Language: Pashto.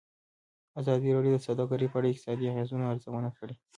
ازادي راډیو د سوداګري په اړه د اقتصادي اغېزو ارزونه کړې.